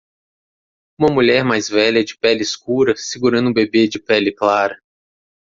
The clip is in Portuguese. Uma mulher mais velha de pele escura segurando um bebê de pele clara.